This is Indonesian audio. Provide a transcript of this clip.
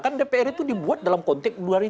kan dpr itu dibuat dalam konteks luar inti